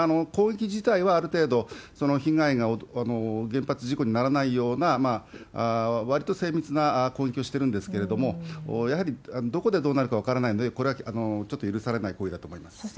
攻撃自体は、ある程度その被害が原発事故にならないような、わりと精密な攻撃をしてるんですけれども、やはりどこでどうなるか分からないので、これはちょっと許されない行為だと思います。